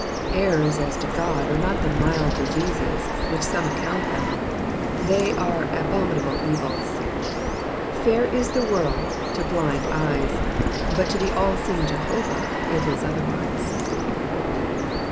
Errors as to God are not the mild diseases which some account them, they are abominable evils. Fair is the world to blind eyes, but to the all seeing Jehovah it is otherwise.